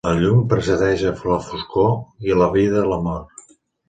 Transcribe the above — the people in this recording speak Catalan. La llum precedeix la foscor i la vida a la mort.